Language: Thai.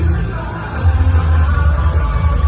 มันเป็นเมื่อไหร่แล้ว